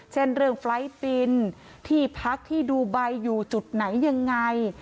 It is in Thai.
เช่นเรื่องไฟล์ฟินที่พักที่ดูไบอยู่จุดไหนยังไง